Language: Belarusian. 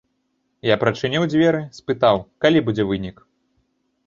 Я прачыніў дзверы, спытаў, калі будзе вынік.